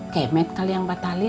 kemet kali yang batalin